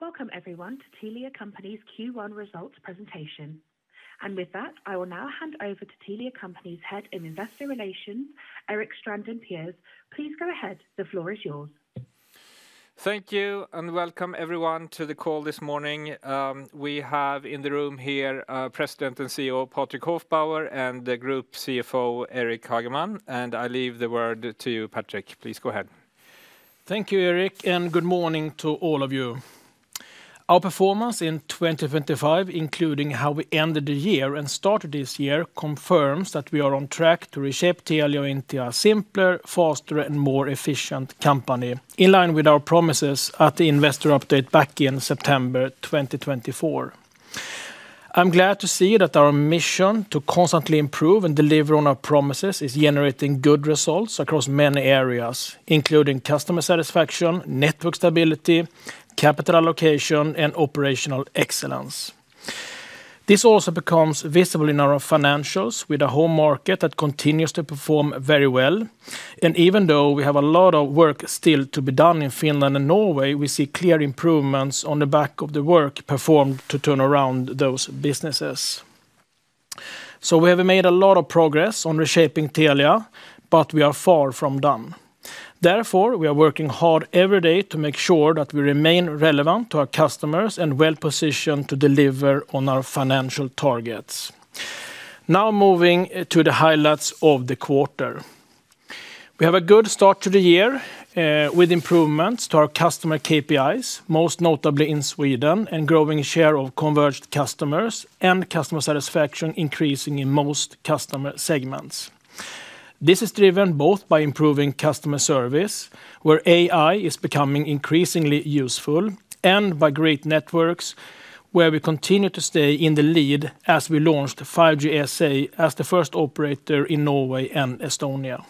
Welcome everyone to Telia Company's Q1 results presentation. With that, I will now hand over to Telia Company's Head of Investor Relations, Erik Strandin Pers. Please go ahead. The floor is yours. Thank you, and welcome everyone to the call this morning. We have in the room here, President and CEO, Patrik Hofbauer, and the Group CFO, Eric Hageman, and I leave the word to you, Patrik. Please go ahead. Thank you, Erik, and good morning to all of you. Our performance in 2025, including how we ended the year and started this year, confirms that we are on track to reshape Telia into a simpler, faster, and more efficient company, in line with our promises at the investor update back in September 2024. I'm glad to see that our mission to constantly improve and deliver on our promises is generating good results across many areas, including customer satisfaction, network stability, capital allocation, and operational excellence. This also becomes visible in our financials with a home market that continues to perform very well. Even though we have a lot of work still to be done in Finland and Norway, we see clear improvements on the back of the work performed to turn around those businesses. We have made a lot of progress on reshaping Telia, but we are far from done. Therefore, we are working hard every day to make sure that we remain relevant to our customers and well-positioned to deliver on our financial targets. Now, moving to the highlights of the quarter. We have a good start to the year, with improvements to our customer KPIs, most notably in Sweden, and growing share of converged customers and customer satisfaction increasing in most customer segments. This is driven both by improving customer service, where AI is becoming increasingly useful, and by great networks, where we continue to stay in the lead as we launched 5G SA as the first operator in Norway and Estonia.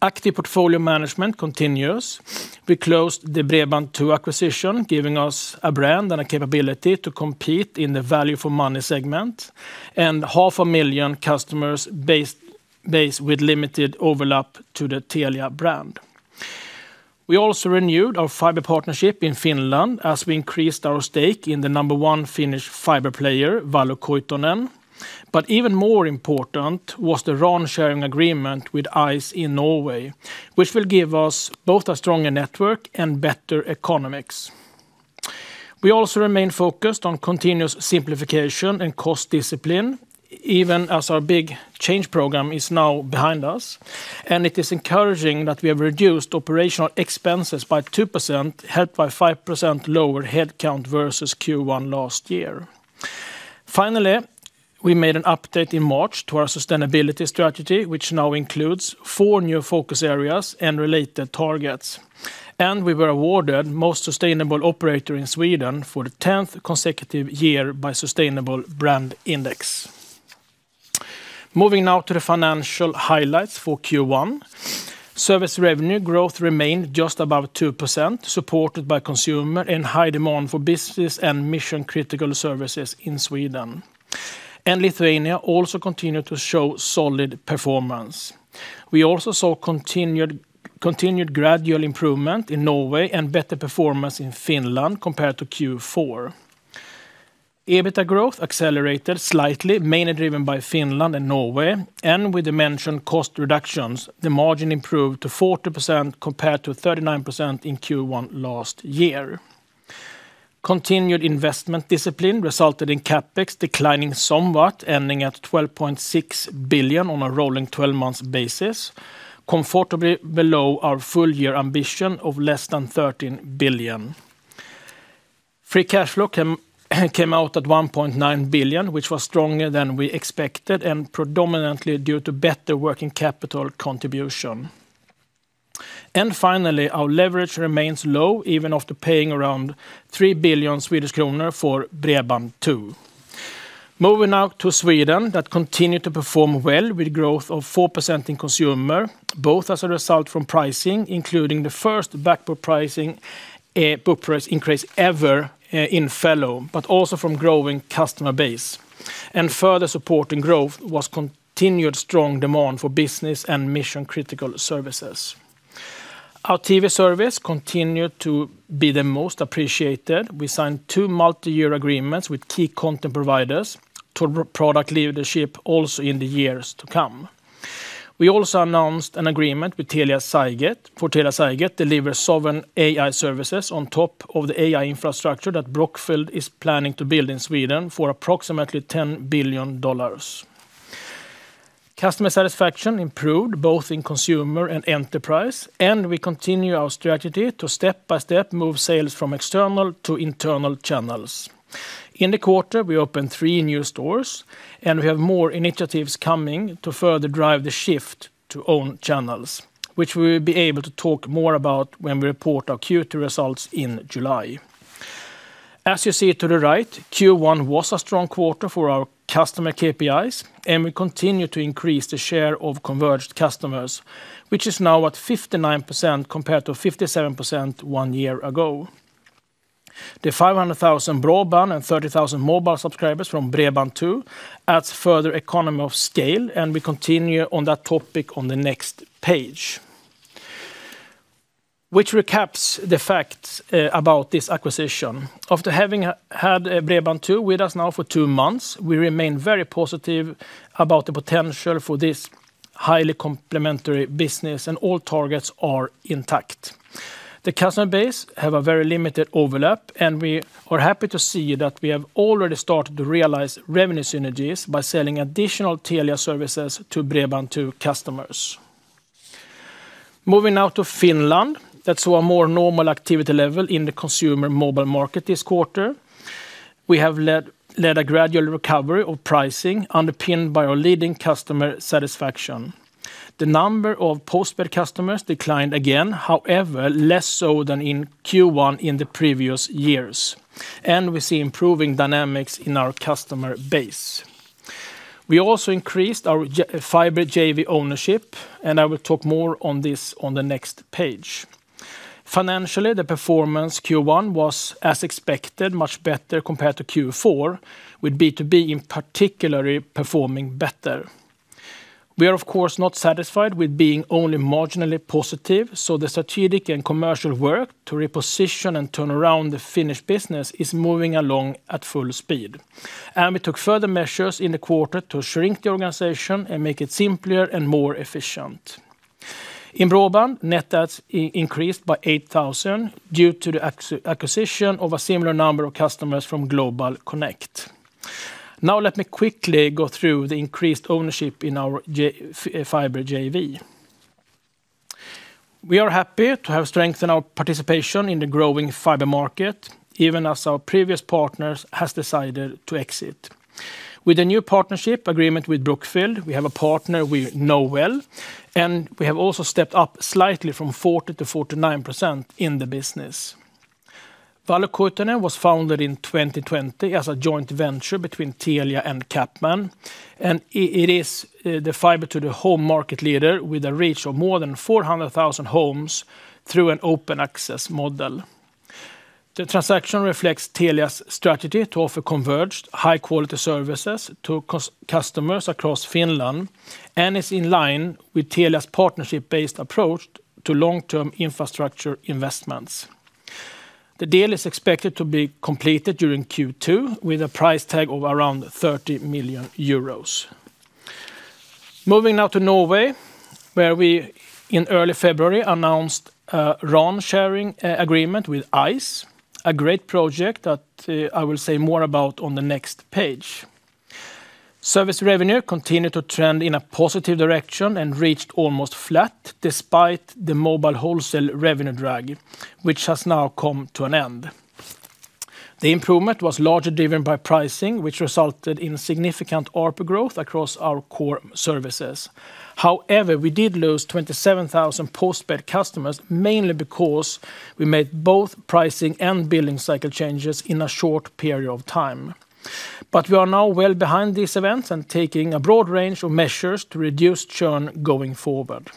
Active portfolio management continues. We closed the Bredband2 acquisition, giving us a brand and a capability to compete in the value for money segment, and half a million customer base with limited overlap to the Telia brand. We also renewed our fiber partnership in Finland as we increased our stake in the number one Finnish fiber player, Valokuitunen. Even more important was the RAN sharing agreement with ice in Norway, which will give us both a stronger network and better economics. We also remain focused on continuous simplification and cost discipline, even as our big change program is now behind us, and it is encouraging that we have reduced operational expenses by 2%, helped by 5% lower head count versus Q1 last year. Finally, we made an update in March to our sustainability strategy, which now includes four new focus areas and related targets, and we were awarded Most Sustainable Operator in Sweden for the 10th consecutive year by Sustainable Brand Index. Moving now to the financial highlights for Q1. Service revenue growth remained just above 2%, supported by consumer and high demand for business and mission-critical services in Sweden. Lithuania also continued to show solid performance. We also saw continued gradual improvement in Norway and better performance in Finland compared to Q4. EBITDA growth accelerated slightly, mainly driven by Finland and Norway, and with the mentioned cost reductions, the margin improved to 40% compared to 39% in Q1 last year. Continued investment discipline resulted in CapEx declining somewhat, ending at 12.6 billion on a rolling 12 months basis, comfortably below our full year ambition of less than 13 billion. Free cash flow came out at 1.9 billion, which was stronger than we expected, and predominantly due to better working capital contribution. Finally, our leverage remains low even after paying around 3 billion Swedish kronor for Bredband2. Moving now to Sweden, that continued to perform well with growth of 4% in consumer, both as a result from pricing, including the first back-book pricing price increase ever in Fello, but also from growing customer base. Further support and growth was from continued strong demand for business and mission-critical services. Our TV service continued to be the most appreciated. We signed two multi-year agreements with key content providers to ensure product leadership also in the years to come. We also announced an agreement for Telia Cygate to deliver sovereign AI services on top of the AI infrastructure that Brookfield is planning to build in Sweden for approximately $10 billion. Customer satisfaction improved both in consumer and enterprise, and we continue our strategy to step by step move sales from external to internal channels. In the quarter, we opened three new stores, and we have more initiatives coming to further drive the shift to own channels, which we will be able to talk more about when we report our Q2 results in July. As you see to the right, Q1 was a strong quarter for our customer KPIs, and we continue to increase the share of converged customers, which is now at 59% compared to 57% one year ago. The 500,000 broadband and 30,000 mobile subscribers from Bredband2 adds further economy of scale, and we continue on that topic on the next page, which recaps the facts about this acquisition. After having had Bredband2 with us now for two months, we remain very positive about the potential for this highly complementary business, and all targets are intact. The customer base have a very limited overlap, and we are happy to see that we have already started to realize revenue synergies by selling additional Telia services to Bredband2 customers. Moving now to Finland that saw a more normal activity level in the consumer mobile market this quarter. We have led a gradual recovery of pricing, underpinned by our leading customer satisfaction. The number of postpaid customers declined again. However, less so than in Q1 in the previous years. We see improving dynamics in our customer base. We also increased our fiber JV ownership, and I will talk more on this on the next page. Financially, the performance Q1 was as expected, much better compared to Q4, with B2B in particular performing better. We are of course not satisfied with being only marginally positive, so the strategic and commercial work to reposition and turn around the Finnish business is moving along at full speed. We took further measures in the quarter to shrink the organization and make it simpler and more efficient. In broadband, net adds increased by 8,000 due to the acquisition of a similar number of customers from GlobalConnect. Now let me quickly go through the increased ownership in our fiber JV. We are happy to have strengthened our participation in the growing fiber market, even as our previous partners has decided to exit. With a new partnership agreement with Brookfield, we have a partner we know well, and we have also stepped up slightly from 40% to 49% in the business. Valokuitunen was founded in 2020 as a joint venture between Telia and CapMan, and it is the fiber-to-the-home market leader with a reach of more than 400,000 homes through an open access model. The transaction reflects Telia's strategy to offer converged high-quality services to customers across Finland and is in line with Telia's partnership-based approach to long-term infrastructure investments. The deal is expected to be completed during Q2 with a price tag of around 30 million euros. Moving now to Norway, where we in early February announced a RAN sharing agreement with Ice. A great project that I will say more about on the next page. Service revenue continued to trend in a positive direction and reached almost flat despite the mobile wholesale revenue drag, which has now come to an end. The improvement was largely driven by pricing, which resulted in significant ARPU growth across our core services. However, we did lose 27,000 postpaid customers, mainly because we made both pricing and billing cycle changes in a short period of time. We are now well behind these events and taking a broad range of measures to reduce churn going forward.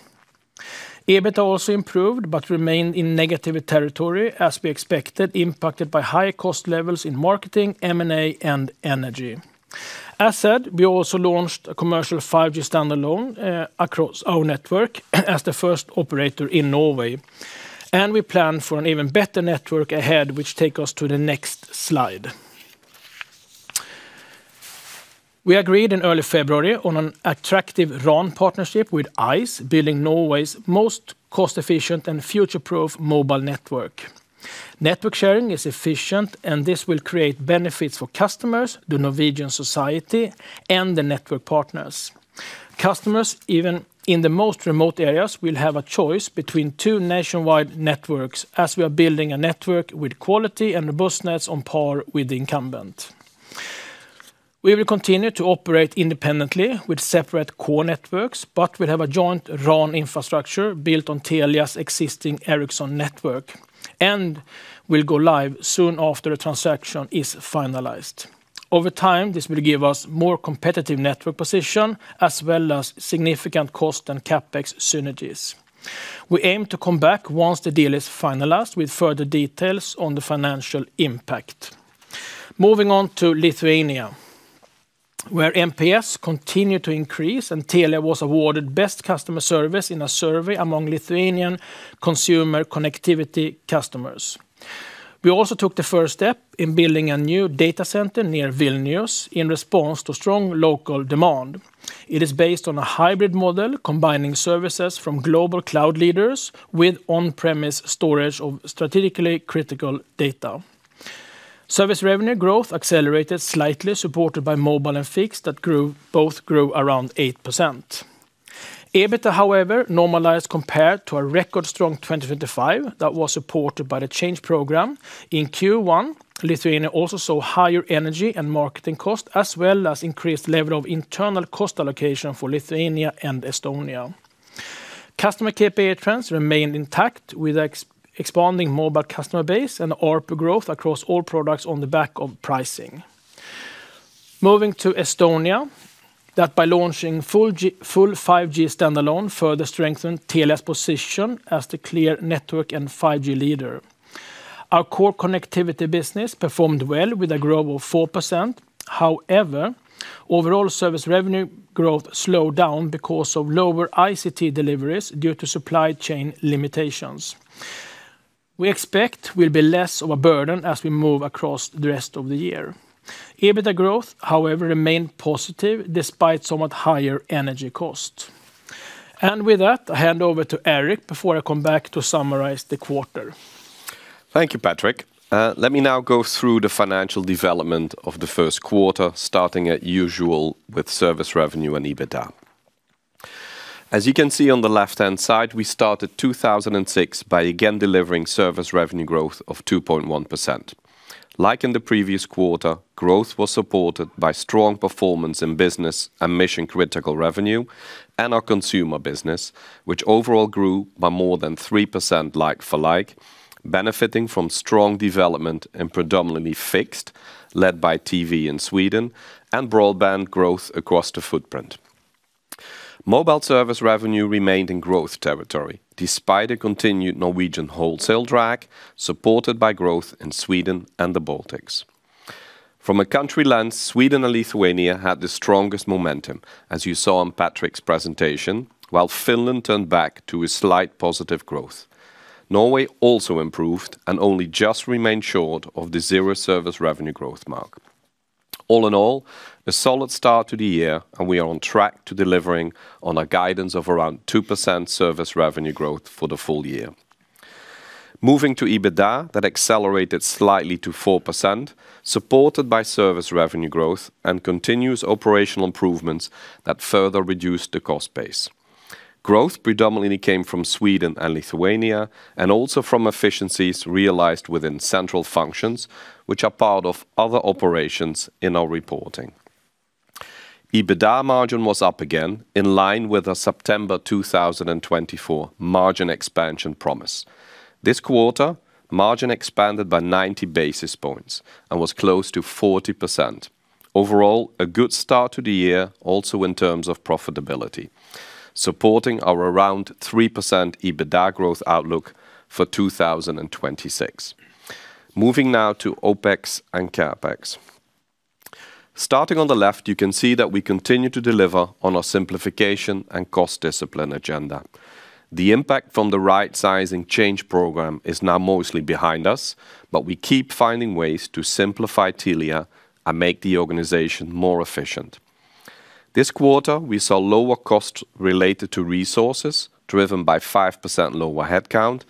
EBITA also improved, but remained in negative territory as we expected, impacted by higher cost levels in marketing, M&A, and energy. As said, we also launched a commercial 5G standalone across our network as the first operator in Norway, and we plan for an even better network ahead, which take us to the next slide. We agreed in early February on an attractive RAN partnership with Ice, building Norway's most cost-efficient and future-proof mobile network. Network sharing is efficient, and this will create benefits for customers, the Norwegian society, and the network partners. Customers, even in the most remote areas, will have a choice between two nationwide networks as we are building a network with quality and robustness on par with the incumbent. We will continue to operate independently with separate core networks, but we'll have a joint RAN infrastructure built on Telia's existing Ericsson network, and will go live soon after the transaction is finalized. Over time, this will give us more competitive network position as well as significant cost and CapEx synergies. We aim to come back once the deal is finalized with further details on the financial impact. Moving on to Lithuania, where NPS continued to increase, and Telia was awarded best customer service in a survey among Lithuanian consumer connectivity customers. We also took the first step in building a new data center near Vilnius in response to strong local demand. It is based on a hybrid model combining services from global cloud leaders with on-premise storage of strategically critical data. Service revenue growth accelerated slightly, supported by mobile and fixed that both grew around 8%. EBITA, however, normalized compared to a record strong 2025 that was supported by the change program. In Q1, Lithuania also saw higher energy and marketing cost, as well as increased level of internal cost allocation for Lithuania and Estonia. Customer KPI trends remained intact with expanding mobile customer base and ARPU growth across all products on the back of pricing. Moving to Estonia, that, by launching full 5G standalone, further strengthened Telia's position as the clear network and 5G leader. Our core connectivity business performed well with a growth of 4%. However, overall service revenue growth slowed down because of lower ICT deliveries due to supply chain limitations. We expect it will be less of a burden as we move across the rest of the year. EBITDA growth, however, remained positive despite somewhat higher energy cost. With that, I hand over to Eric before I come back to summarize the quarter. Thank you, Patrik. Let me now go through the financial development of the first quarter, starting as usual with service revenue and EBITDA. As you can see on the left-hand side, we started 2026 by again delivering service revenue growth of 2.1%. Like in the previous quarter, growth was supported by strong performance in business and mission-critical revenue, and our consumer business, which overall grew by more than 3% like-for-like, benefiting from strong development in predominantly fixed, led by TV in Sweden, and broadband growth across the footprint. Mobile service revenue remained in growth territory despite a continued Norwegian wholesale drag, supported by growth in Sweden and the Baltics. From a country lens, Sweden and Lithuania had the strongest momentum, as you saw in Patrik's presentation, while Finland turned back to a slight positive growth. Norway also improved and only just remained short of the zero service revenue growth mark. All in all, a solid start to the year, and we are on track to delivering on our guidance of around 2% service revenue growth for the full year. Moving to EBITDA, that accelerated slightly to 4%, supported by service revenue growth and continuous operational improvements that further reduced the cost base. Growth predominantly came from Sweden and Lithuania and also from efficiencies realized within central functions, which are part of other operations in our reporting. EBITDA margin was up again, in line with our September 2024 margin expansion promise. This quarter, margin expanded by 90 basis points and was close to 40%. Overall, a good start to the year also in terms of profitability, supporting our around 3% EBITDA growth outlook for 2026. Moving now to OpEx and CapEx. Starting on the left, you can see that we continue to deliver on our simplification and cost discipline agenda. The impact from the right sizing change program is now mostly behind us, but we keep finding ways to simplify Telia and make the organization more efficient. This quarter, we saw lower cost related to resources, driven by 5% lower headcount,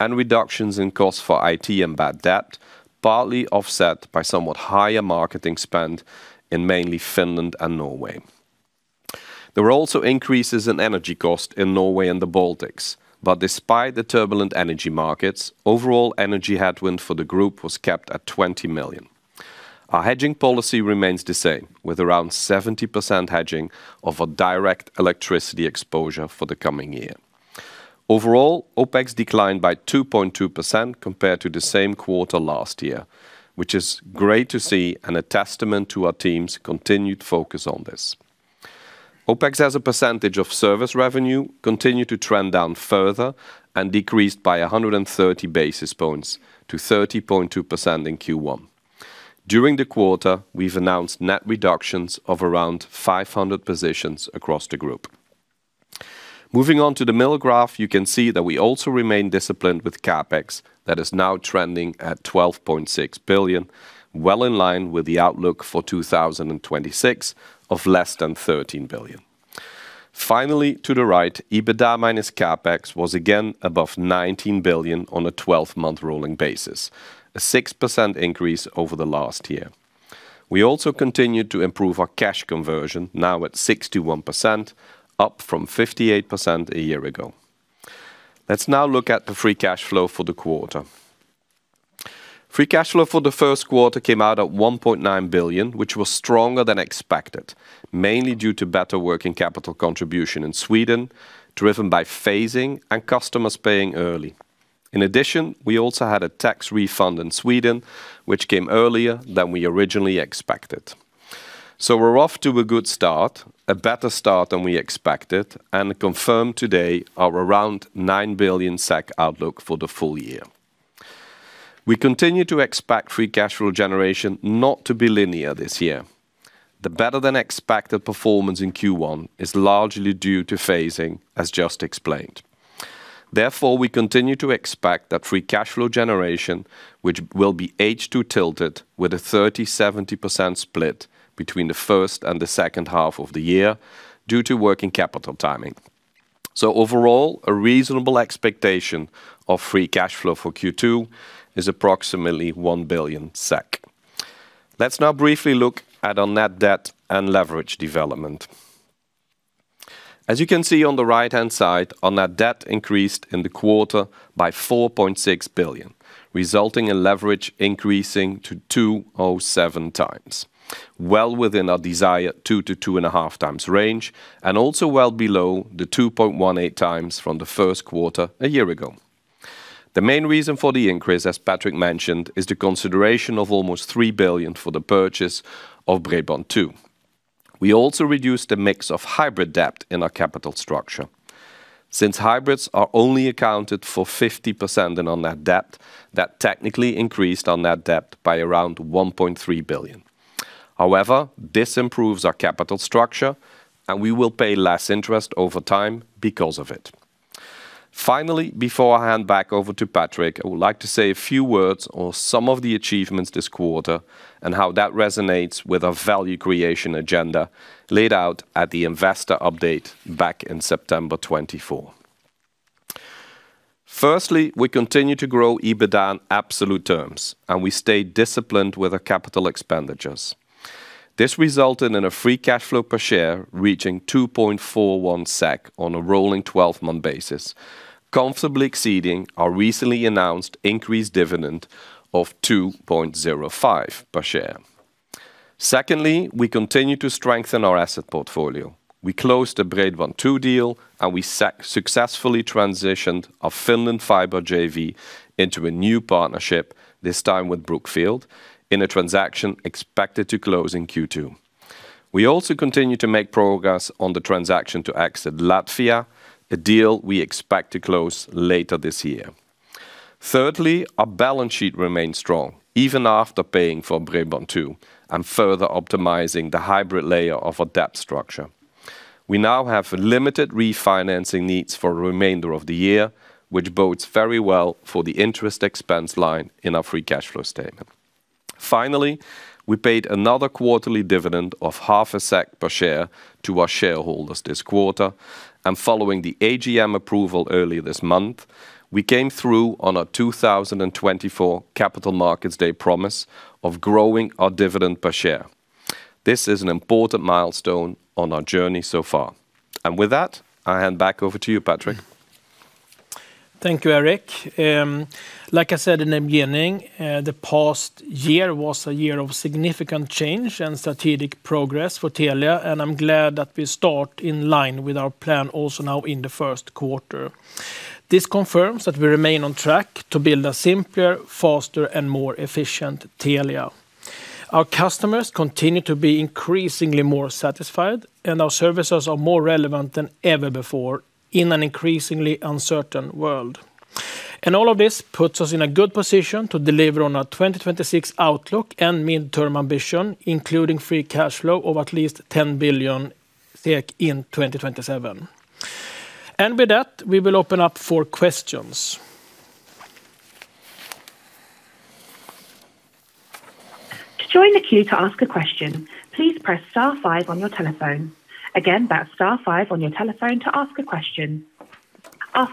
and reductions in cost for IT and bad debt, partly offset by somewhat higher marketing spend in mainly Finland and Norway. There were also increases in energy cost in Norway and the Baltics. Despite the turbulent energy markets, overall energy headwind for the group was kept at 20 million. Our hedging policy remains the same, with around 70% hedging of a direct electricity exposure for the coming year. Overall, OpEx declined by 2.2% compared to the same quarter last year, which is great to see and a testament to our team's continued focus on this. OpEx as a percentage of service revenue continued to trend down further and decreased by 130 basis points to 30.2% in Q1. During the quarter, we've announced net reductions of around 500 positions across the group. Moving on to the middle graph, you can see that we also remain disciplined with CapEx that is now trending at 12.6 billion, well in line with the outlook for 2026 of less than 13 billion. Finally, to the right, EBITDA minus CapEx was again above 19 billion on a 12-month rolling basis, a 6% increase over the last year. We also continued to improve our cash conversion, now at 61%, up from 58% a year ago. Let's now look at the free cash flow for the quarter. Free cash flow for the first quarter came out at 1.9 billion, which was stronger than expected, mainly due to better working capital contribution in Sweden, driven by phasing and customers paying early. In addition, we also had a tax refund in Sweden, which came earlier than we originally expected. We're off to a good start, a better start than we expected and confirm today our around 9 billion SEK outlook for the full year. We continue to expect free cash flow generation not to be linear this year. The better-than-expected performance in Q1 is largely due to phasing, as just explained. Therefore, we continue to expect that free cash flow generation, which will be H2 tilted with a 30%/70% split between the first and the second half of the year due to working capital timing. Overall, a reasonable expectation of free cash flow for Q2 is approximately 1 billion SEK. Let's now briefly look at our net debt and leverage development. As you can see on the right-hand side, our net debt increased in the quarter by 4.6 billion, resulting in leverage increasing to 2.07x. Well within our desired 2x-2.5x range, and also well below the 2.18x from the first quarter a year ago. The main reason for the increase, as Patrik mentioned, is the consideration of almost 3 billion for the purchase of Bredband2. We also reduced the mix of hybrid debt in our capital structure. Since hybrids are only accounted for 50% in net debt, that technically increased net debt by around 1.3 billion. However, this improves our capital structure, and we will pay less interest over time because of it. Finally, before I hand back over to Patrik, I would like to say a few words on some of the achievements this quarter and how that resonates with our value creation agenda laid out at the investor update back in September 2024. Firstly, we continue to grow EBITDA in absolute terms, and we stay disciplined with our capital expenditures. This resulted in a free cash flow per share reaching 2.41 SEK on a rolling 12-month basis, comfortably exceeding our recently announced increased dividend of 2.05 SEK per share. Secondly, we continue to strengthen our asset portfolio. We closed the Bredband2 deal, and we successfully transitioned our Finland Fiber JV into a new partnership, this time with Brookfield, in a transaction expected to close in Q2. We also continue to make progress on the transaction to exit Latvia, a deal we expect to close later this year. Thirdly, our balance sheet remains strong even after paying for Bredband2 and further optimizing the hybrid layer of our debt structure. We now have limited refinancing needs for the remainder of the year, which bodes very well for the interest expense line in our free cash flow statement. Finally, we paid another quarterly dividend of SEK 0.5 per share to our shareholders this quarter, and following the AGM approval earlier this month, we came through on our 2024 Capital Markets Day promise of growing our dividend per share. This is an important milestone on our journey so far. With that, I hand back over to you, Patrik. Thank you, Eric. Like I said in the beginning, the past year was a year of significant change and strategic progress for Telia, and I'm glad that we start in line with our plan also now in the first quarter. This confirms that we remain on track to build a simpler, faster, and more efficient Telia. Our customers continue to be increasingly more satisfied, and our services are more relevant than ever before in an increasingly uncertain world. All of this puts us in a good position to deliver on our 2026 outlook and midterm ambition, including free cash flow of at least 10 billion in 2027. With that, we will open up for questions. Our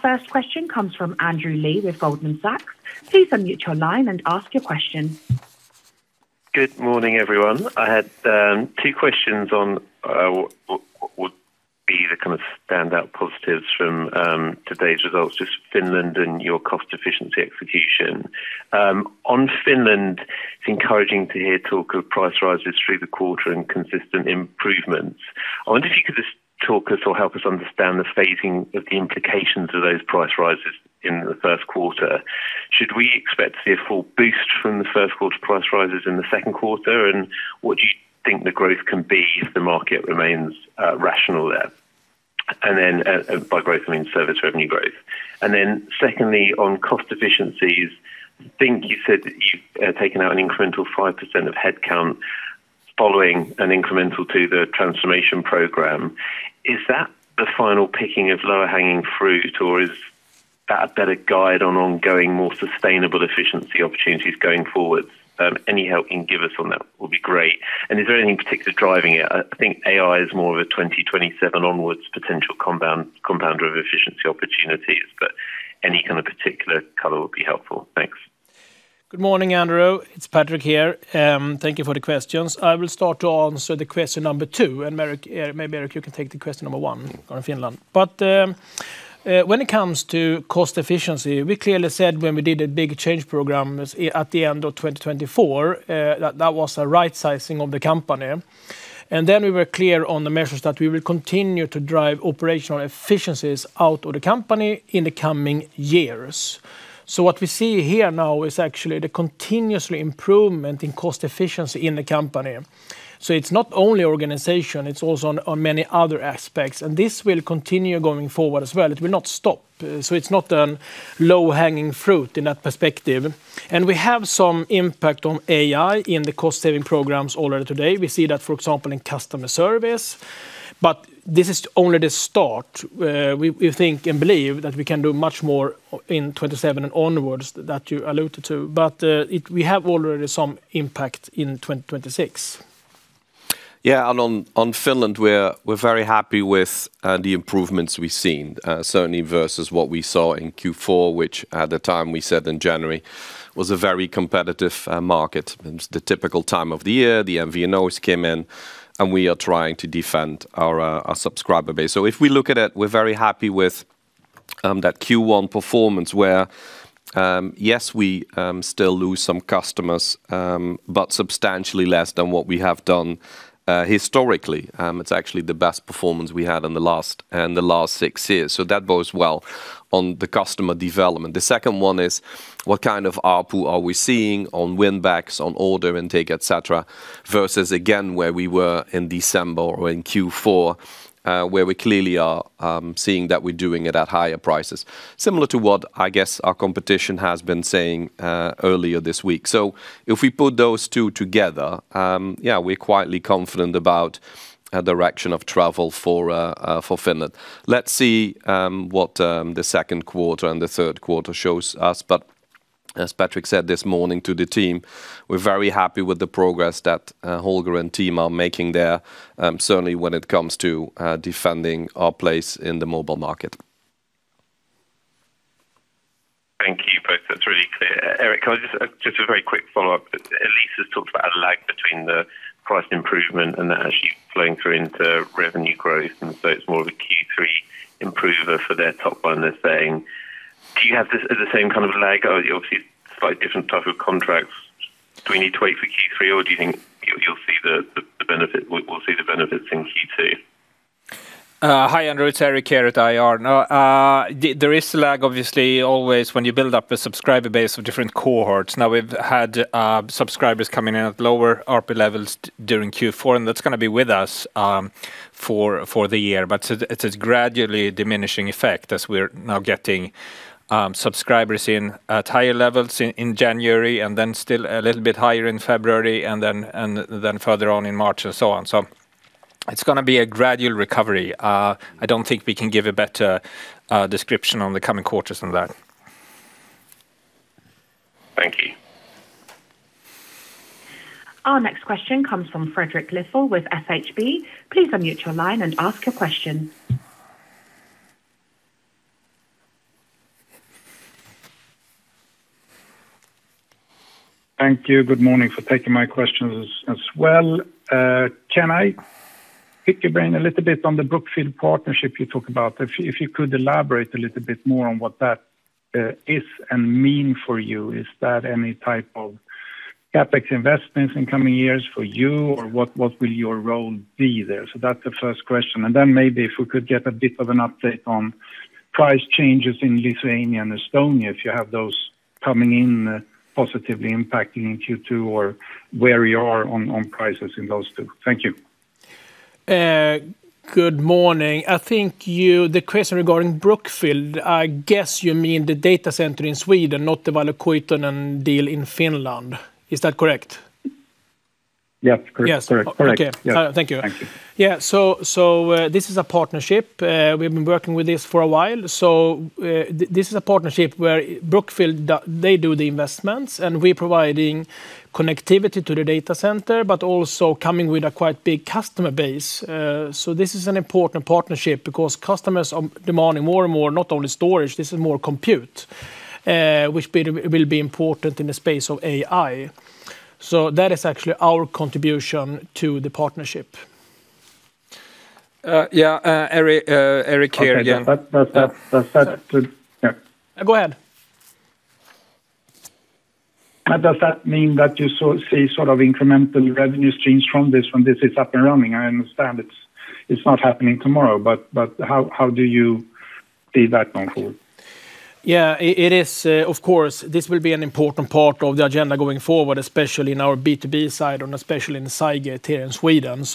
first question comes from Andrew Lee with Goldman Sachs. Please unmute your line and ask your question. Good morning, everyone. I have two questions on what would be the kind of standout positives from today's results with Finland and your cost efficiency execution. On Finland, it's encouraging to hear talk of price rises through the quarter and consistent improvements. I wonder if you could just talk us or help us understand the phasing of the implications of those price rises in the first quarter. Should we expect to see a full boost from the first quarter price rises in the second quarter? What do you think the growth can be if the market remains rational there? By growth, I mean service revenue growth. Secondly, on cost efficiencies, I think you said that you've taken out an incremental 5% of headcount following an incremental to the transformation program. Is that the final picking of lower-hanging fruit, or is that a better guide on ongoing, more sustainable efficiency opportunities going forward? Any help you can give us on that will be great. Is there anything particular driving it? I think AI is more of a 2027 onwards potential compounder of efficiency opportunities, but any kind of particular color would be helpful. Thanks. Good morning, Andrew. It's Patrik here. Thank you for the questions. I will start to answer the question number two, and maybe, Eric, you can take the question number one on Finland. When it comes to cost efficiency, we clearly said when we did a big change program at the end of 2024, that was a right-sizing of the company. Then we were clear on the measures that we will continue to drive operational efficiencies out of the company in the coming years. What we see here now is actually the continuous improvement in cost efficiency in the company. It's not only organization, it's also on many other aspects. This will continue going forward as well. It will not stop. It's not a low-hanging fruit in that perspective. We have some impact on AI in the cost-saving programs already today. We see that, for example, in customer service, but this is only the start. We think and believe that we can do much more in 2027 and onwards that you alluded to. We have already some impact in 2026. Yeah, on Finland, we're very happy with the improvements we've seen, certainly versus what we saw in Q4, which at the time we said in January was a very competitive market. It's the typical time of the year, the MVNOs came in, and we are trying to defend our subscriber base. If we look at it, we're very happy with that Q1 performance where, yes, we still lose some customers, but substantially less than what we have done historically. It's actually the best performance we had in the last six years. That bodes well on the customer development. The second one is what kind of ARPU are we seeing on win backs, on order intake, et cetera, et cetera, versus again, where we were in December or in Q4, where we clearly are seeing that we're doing it at higher prices. Similar to what I guess our competition has been saying earlier this week. If we put those two together, yeah, we're quietly confident about direction of travel for Finland. Let's see what the second quarter and the third quarter shows us. As Patrik said this morning to the team, we're very happy with the progress that Holger and team are making there, certainly when it comes to defending our place in the mobile market. Thank you both. That's really clear. Erik, can I just a very quick follow-up. Eric has talked about a lag between the price improvement and that actually flowing through into revenue growth, and so it's more of a Q3 improver for their top line they're saying. Do you have the same kind of lag? Obviously, slightly different type of contracts. Do we need to wait for Q3 or do you think you'll see the benefit, we'll see the benefits in Q2? Hi, Andrew. It's Erik here at IR. No, there is a lag, obviously, always when you build up a subscriber base of different cohorts. Now we've had subscribers coming in at lower ARPU levels during Q4, and that's gonna be with us for the year. It's a gradually diminishing effect as we're now getting subscribers in at higher levels in January, and then still a little bit higher in February, and then further on in March and so on. It's gonna be a gradual recovery. I don't think we can give a better description on the coming quarters than that. Thank you. Our next question comes from Fredrik Lithell with SHB. Please unmute your line and ask a question. Thank you. Good morning, thank you for taking my questions as well. Can I pick your brain a little bit on the Brookfield partnership you talk about? If you could elaborate a little bit more on what that is and mean for you. Is that any type of CapEx investments in coming years for you or what will your role be there? That's the first question. Then maybe if we could get a bit of an update on price changes in Lithuania and Estonia, if you have those coming in positively impacting in Q2 or where you are on prices in those two. Thank you. Good morning. I think the question regarding Brookfield, I guess you mean the data center in Sweden, not the Valokuitunen deal in Finland. Is that correct? Yeah. Correct. Yes. Okay. Thank you. Thank you. Yeah. This is a partnership. We've been working with this for a while. This is a partnership where Brookfield, they do the investments and we providing connectivity to the data center, but also coming with a quite big customer base. This is an important partnership because customers are demanding more and more, not only storage, this is more compute, which will be important in the space of AI. That is actually our contribution to the partnership. Yeah. Eric here. Okay. That's good. Yeah. Go ahead. Does that mean that you see incremental revenue streams from this when this is up and running? I understand it's not happening tomorrow, but how do you see that going forward? Yeah. Of course, this will be an important part of the agenda going forward, especially in our B2B side and especially in the Cygate here in Sweden.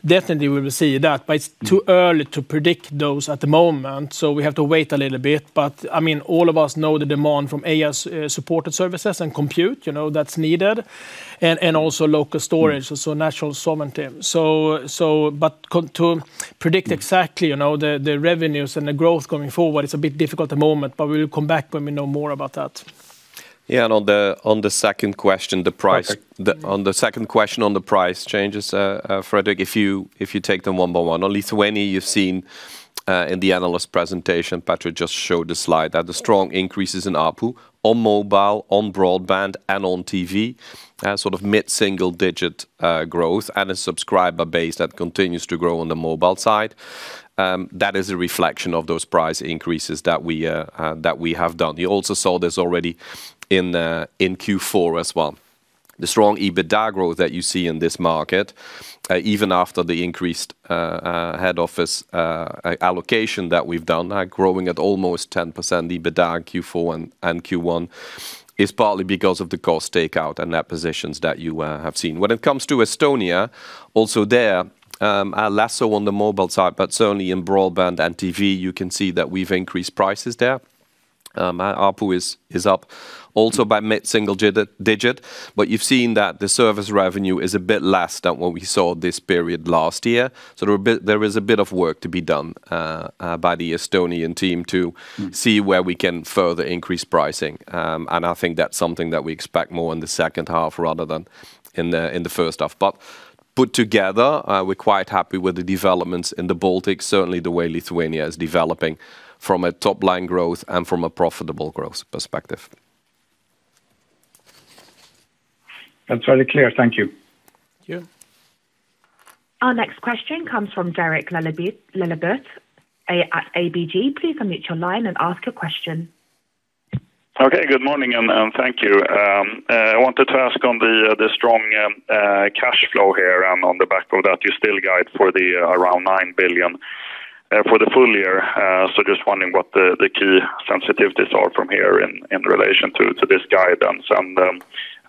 Definitely we will see that, but it's too early to predict those at the moment, so we have to wait a little bit. All of us know the demand from AI-supported services and compute, that's needed. Also local storage, so natural sovereignty. To predict exactly the revenues and the growth going forward, it's a bit difficult at the moment, but we will come back when we know more about that. Yeah, on the second question, the price changes, Fredrik, if you take them one by one. On Lithuania, you've seen, in the analyst presentation, Patrik just showed the slide that the strong increases in ARPU on mobile, on broadband, and on TV, sort of mid-single digit growth, and a subscriber base that continues to grow on the mobile side. That is a reflection of those price increases that we have done. You also saw this already in Q4 as well. The strong EBITDA growth that you see in this market, even after the increased head office allocation that we've done, growing at almost 10% EBITDA in Q4 and Q1, is partly because of the cost takeout and that positions that you have seen. When it comes to Estonia, also there are less on the mobile side, but certainly in broadband and TV, you can see that we've increased prices there. ARPU is up also by mid-single digit. You've seen that the service revenue is a bit less than what we saw this period last year. There is a bit of work to be done by the Estonian team to see where we can further increase pricing. I think that's something that we expect more in the second half rather than in the first half. Put together, we're quite happy with the developments in the Baltics, certainly the way Lithuania is developing from a top-line growth and from a profitable growth perspective. That's very clear. Thank you. Yeah. Our next question comes from Derek Laliberté at ABG. Please unmute your line and ask your question. Okay, good morning, and thank you. I wanted to ask on the strong cash flow here, and on the back of that, you still guide for 9 billion for the full year. Just wondering what the key sensitivities are from here in relation to this guidance.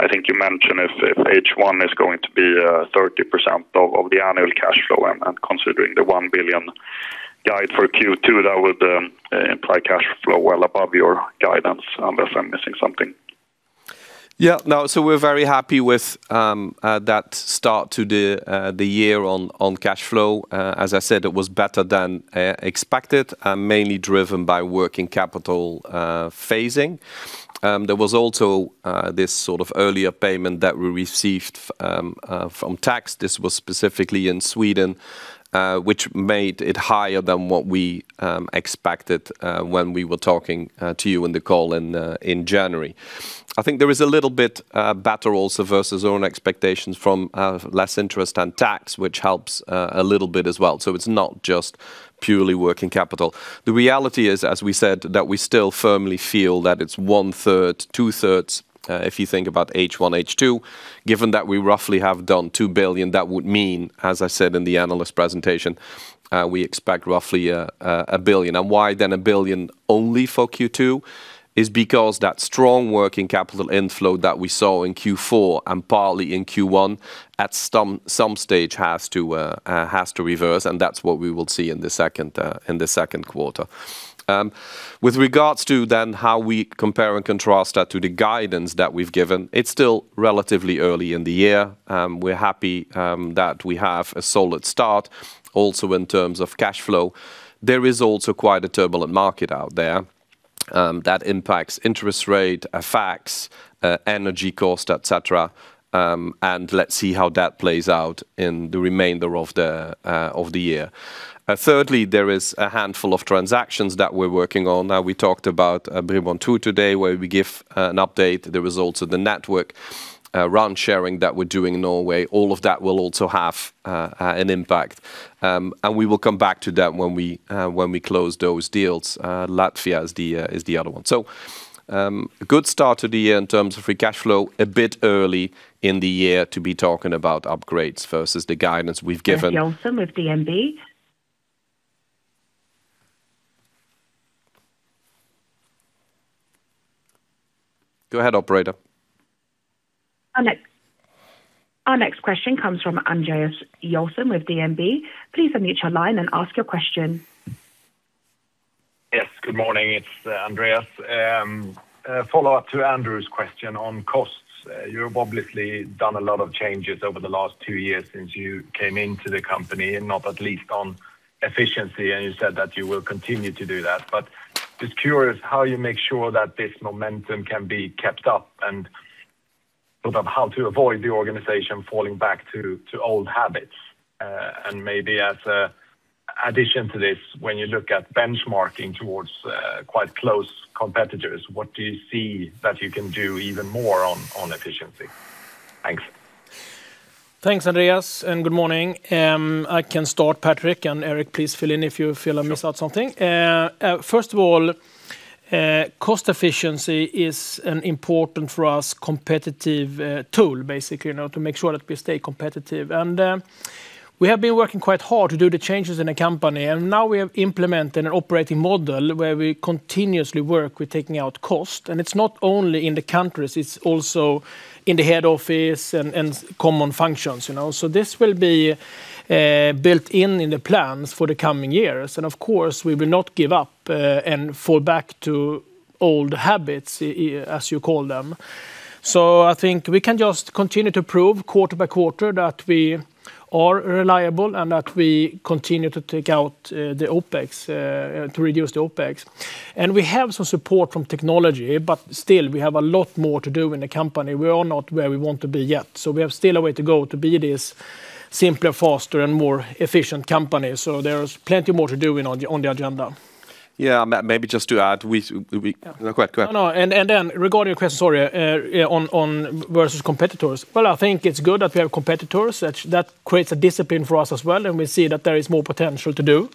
I think you mentioned if H1 is going to be 30% of the annual cash flow and considering the 1 billion guide for Q2, that would imply cash flow well above your guidance, unless I'm missing something. Yeah, no. We're very happy with that start to the year on cash flow. As I said, it was better than expected and mainly driven by working capital phasing. There was also this sort of earlier payment that we received from tax. This was specifically in Sweden, which made it higher than what we expected when we were talking to you on the call in January. I think there is a little bit better also versus our own expectations from less interest and tax, which helps a little bit as well. It's not just purely working capital. The reality is, as we said, that we still firmly feel that it's one third, two thirds, if you think about H1, H2. Given that we roughly have done 2 billion, that would mean, as I said in the analyst presentation, we expect roughly 1 billion. Why then 1 billion only for Q2? It's because that strong working capital inflow that we saw in Q4 and partly in Q1 at some stage has to reverse, and that's what we will see in the second quarter. With regards to then how we compare and contrast that to the guidance that we've given, it's still relatively early in the year. We're happy that we have a solid start also in terms of cash flow. There is also quite a turbulent market out there that impacts interest rate, FX, energy cost, et cetera. Let's see how that plays out in the remainder of the year. Thirdly, there is a handful of transactions that we're working on. Now, we talked about Bredband2 today, where we give an update, the results of the RAN sharing that we're doing in Norway. All of that will also have an impact. We will come back to that when we close those deals. Latvia is the other one. Good start to the year in terms of free cash flow. A bit early in the year to be talking about upgrades versus the guidance we've given. Andreas Joelsson with DNB. Go ahead, operator. Our next question comes from Andreas Joelsson with DNB. Please unmute your line and ask your question. Yes, good morning. It's Andreas. Follow-up to Andrew's question on costs. You have obviously done a lot of changes over the last two years since you came into the company, and not least on efficiency, and you said that you will continue to do that. Just curious how you make sure that this momentum can be kept up and sort of how to avoid the organization falling back to old habits. Maybe as addition to this, when you look at benchmarking towards quite close competitors, what do you see that you can do even more on efficiency? Thanks. Thanks, Andreas, and good morning. I can start, Patrik, and Eric, please fill in if you feel I missed out something. First of all, cost efficiency is an important, for us, competitive tool, basically, to make sure that we stay competitive. We have been working quite hard to do the changes in the company. Now we have implemented an operating model where we continuously work with taking out cost. It's not only in the countries, it's also in the head office and common functions. This will be built in in the plans for the coming years. Of course, we will not give up, and fall back to old habits, as you call them. I think we can just continue to prove quarter by quarter that we are reliable and that we continue to take out the OpEx, to reduce the OpEx. We have some support from technology, but still, we have a lot more to do in the company. We are not where we want to be yet, so we have still a way to go to be this simpler, faster, and more efficient company. There's plenty more to do on the agenda. Yeah, maybe just to add. Go ahead. No, and then regarding your question, sorry, on versus competitors. Well, I think it's good that we have competitors. That creates a discipline for us as well, and we see that there is more potential to do.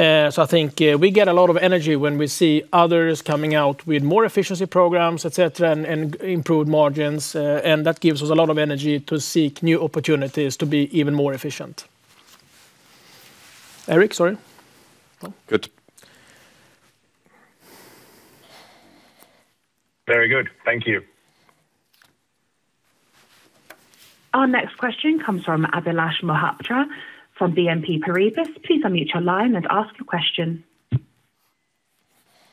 I think we get a lot of energy when we see others coming out with more efficiency programs, et cetera, and improved margins, and that gives us a lot of energy to seek new opportunities to be even more efficient. Eric, sorry. Good. Very good. Thank you. Our next question comes from Abhilash Mohapatra from BNP Paribas. Please unmute your line and ask your question.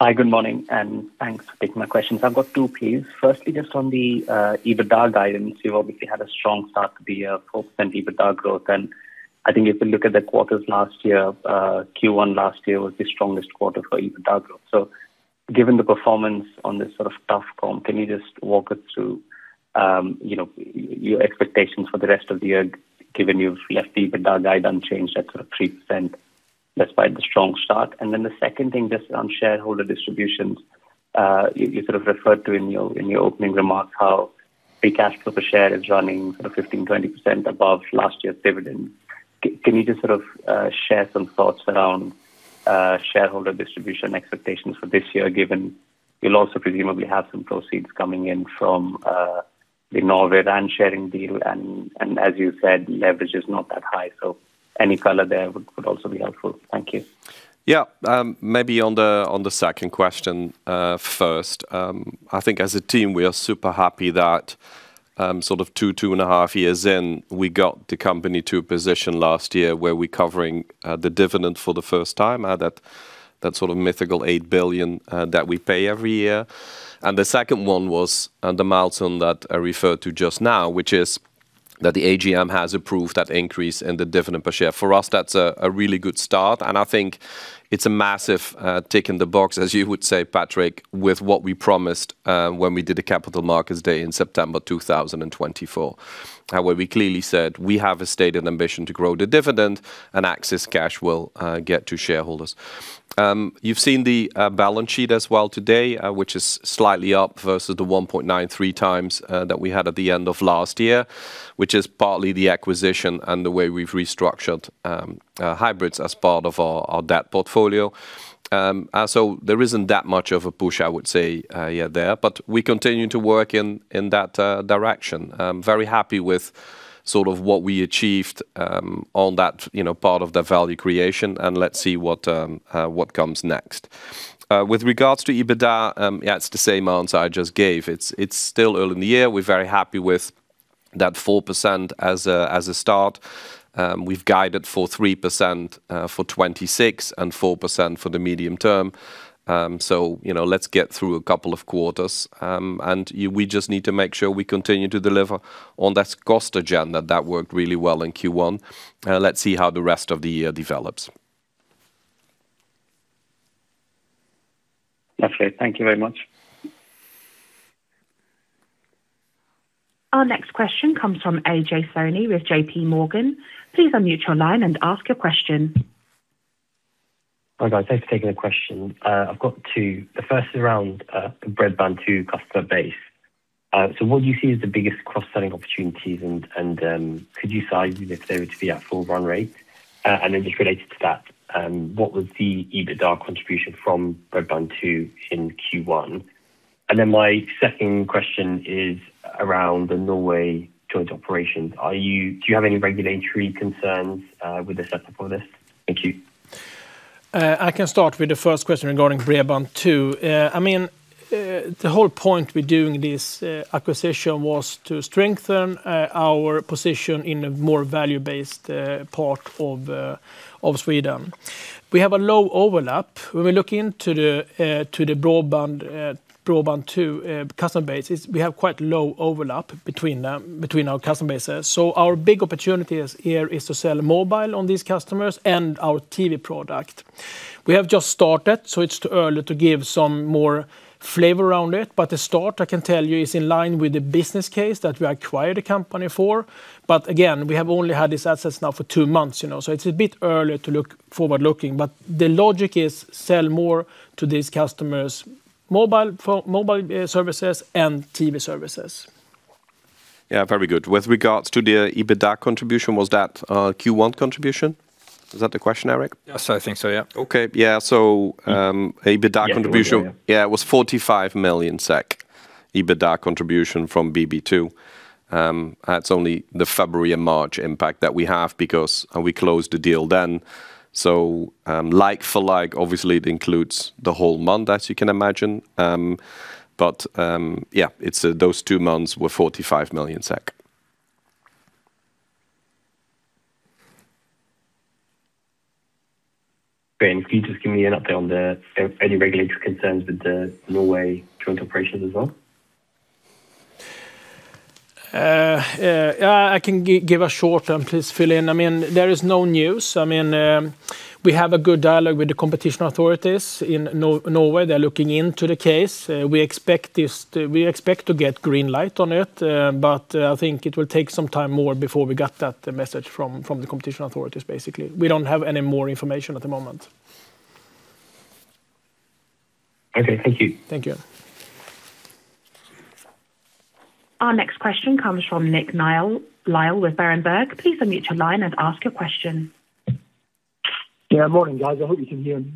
Hi, good morning, and thanks for taking my questions. I've got two, please. First, just on the EBITDA guidance, you've obviously had a strong start to the year, 4% EBITDA growth, and I think if you look at the quarters last year, Q1 last year was the strongest quarter for EBITDA growth. Given the performance on this sort of tough comp, can you just walk us through your expectations for the rest of the year, given you've left the EBITDA guidance unchanged at sort of 3% despite the strong start. The second thing, just on shareholder distributions, you referred to in your opening remarks how free cash flow per share is running 15%-20% above last year's dividend. Can you just share some thoughts around shareholder distribution expectations for this year, given you'll also presumably have some proceeds coming in from the Norway RAN sharing deal, and as you said, leverage is not that high, so any color there would also be helpful. Thank you. Yeah. Maybe on the second question first. I think as a team, we are super happy that two and a half years in, we got the company to a position last year where we're covering the dividend for the first time, that mythical 8 billion that we pay every year. The second one was the milestone that I referred to just now, which is that the AGM has approved that increase in the dividend per share. For us, that's a really good start, and I think it's a massive tick in the box, as you would say, Patrik, with what we promised when we did a Capital Markets Day in September 2024, where we clearly said we have a stated ambition to grow the dividend and excess cash will get to shareholders. You've seen the balance sheet as well today, which is slightly up versus the 1.93x that we had at the end of last year, which is partly the acquisition and the way we've restructured hybrids as part of our debt portfolio. There isn't that much of a push, I would say, yet there, but we continue to work in that direction. Very happy with what we achieved on that part of the value creation, and let's see what comes next. With regards to EBITDA, yeah, it's the same answer I just gave. It's still early in the year. We're very happy with that 4% as a start. We've guided for 3% for 2026 and 4% for the medium term. Let's get through a couple of quarters. We just need to make sure we continue to deliver on that cost agenda that worked really well in Q1. Let's see how the rest of the year develops. Lovely. Thank you very much. Our next question comes from Ajay Soni with JPMorgan. Please unmute your line and ask your question. Hi, guys. Thanks for taking the question. I've got two. The first is around the Bredband2 customer base. What do you see as the biggest cross-selling opportunities, and could you size if they were to be at full run rate? Just related to that, what was the EBITDA contribution from Bredband2 in Q1? My second question is around the Norway joint operations. Do you have any regulatory concerns with the setup for this? Thank you. I can start with the first question regarding Bredband2. The whole point with doing this acquisition was to strengthen our position in a more value-based part of Sweden. We have a low overlap. When we look into the Bredband2 customer bases, we have quite low overlap between our customer base. Our big opportunity here is to sell mobile to these customers and our TV product. We have just started, so it's too early to give some more flavor around it, but the start, I can tell you, is in line with the business case that we acquired the company for. We have only had these assets now for two months, so it's a bit early to look forward-looking. The logic is sell more to these customers mobile services and TV services. Yeah, very good. With regards to the EBITDA contribution, was that Q1 contribution? Is that the question, Erik? Yes, I think so, yeah. Okay. Yeah. EBITDA contribution. Yeah, it was 45 million SEK EBITDA contribution from BB2. That's only the February and March impact that we have because we closed the deal then. Like for like, obviously it includes the whole month, as you can imagine. Yeah, those two months were 45 million SEK. Then can you just give me an update on any regulatory concerns with the Norway joint operations as well? I can give a short and please fill in. There is no news. We have a good dialogue with the competition authorities in Norway. They're looking into the case. We expect to get green light on it. I think it will take some time more before we get that message from the competition authorities, basically. We don't have any more information at the moment. Okay. Thank you. Thank you. Our next question comes from Nick Lyall with Berenberg. Please unmute your line and ask your question. Yeah, morning, guys. I hope you can hear me.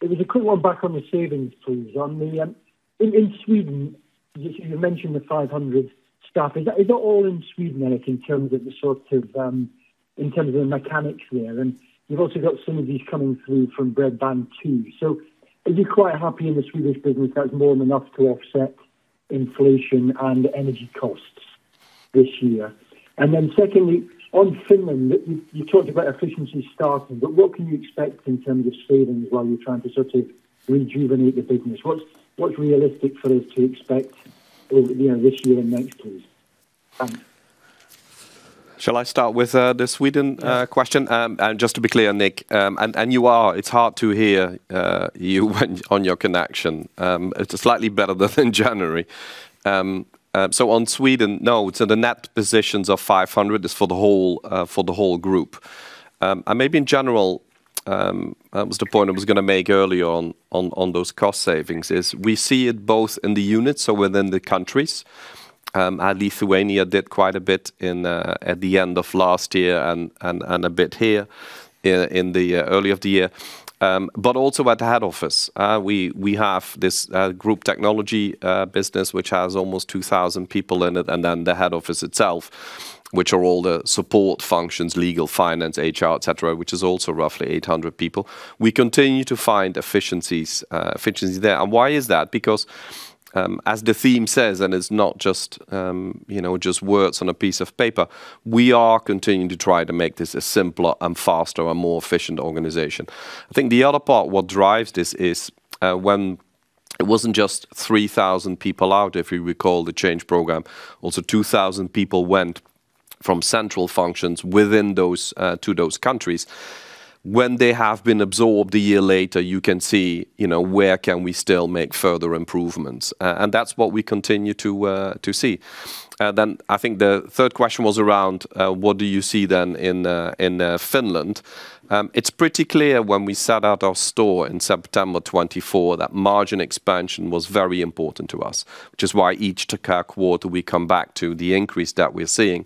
It was a quick one back on the savings, please. In Sweden, you mentioned the 500 staff. Is that all in Sweden, Eric, in terms of the mechanics there? You've also got some of these coming through from Bredband2. Are you quite happy in the Swedish business that's more than enough to offset inflation and energy costs this year? Secondly, on Finland, you talked about efficiency starting, but what can you expect in terms of savings while you're trying to rejuvenate the business? What's realistic for us to expect this year and next, please? Shall I start with the Sweden question? Just to be clear, Nick, and you are, it's hard to hear you on your connection. It's slightly better than January. On Sweden, no. The net positions of 500 is for the whole group. Maybe in general. That was the point I was going to make earlier on those cost savings is we see it both in the units or within the countries. Lithuania did quite a bit at the end of last year and a bit here in the early of the year. But also at the head office. We have this group technology business, which has almost 2,000 people in it. Then the head office itself, which are all the support functions, legal, finance, HR, et cetera, which is also roughly 800 people. We continue to find efficiencies there. Why is that? Because as the theme says, and it's not just words on a piece of paper, we are continuing to try to make this a simpler and faster and more efficient organization. I think the other part, what drives this is when it wasn't just 3,000 people out, if you recall the change program, also 2,000 people went from central functions within to those countries. When they have been absorbed a year later, you can see, where can we still make further improvements? That's what we continue to see. I think the third question was around, what do you see then in Finland? It's pretty clear when we set out our stall in September 2024, that margin expansion was very important to us. Which is why each quarter we come back to the increase that we're seeing.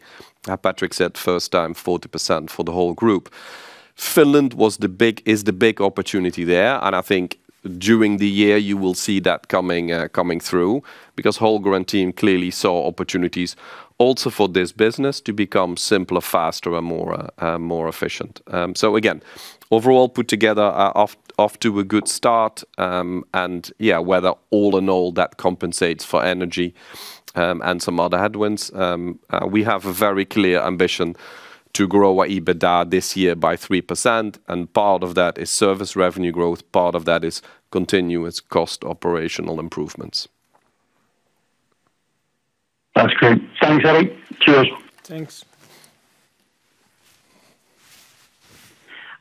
Patrik said first time 40% for the whole group. Finland is the big opportunity there. I think during the year you will see that coming through because Holger and team clearly saw opportunities also for this business to become simpler, faster, and more efficient. Again, overall put together off to a good start. Yeah, whether all in all that compensates for energy, and some other headwinds. We have a very clear ambition to grow our EBITDA this year by 3%, and part of that is service revenue growth, part of that is continuous cost operational improvements. That's great. Thanks, Eric. Cheers. Thanks.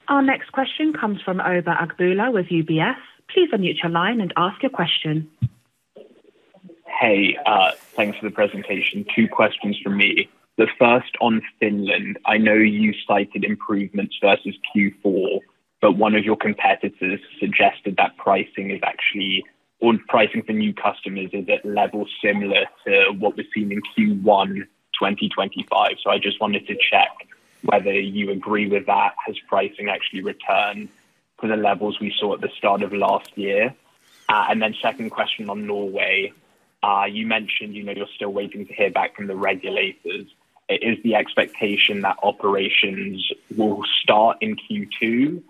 Our next question comes from Oba Agboola with UBS. Please unmute your line and ask your question. Hey, thanks for the presentation. Two questions from me. The first on Finland. I know you cited improvements versus Q4, but one of your competitors suggested that pricing for new customers is at levels similar to what was seen in Q1 2025. I just wanted to check whether you agree with that. Has pricing actually returned to the levels we saw at the start of last year? Second question on Norway. You mentioned you're still waiting to hear back from the regulators. Is the expectation that operations will start in Q2,